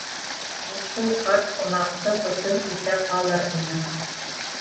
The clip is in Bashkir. Һин шул ҡарт ҡомаҡты хөкөм итә алыр инең.